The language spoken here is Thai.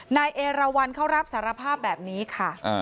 นายเอราวันเขารับสารภาพแบบนี้ค่ะ